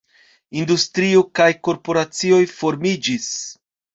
Industrio kaj korporacioj formiĝis.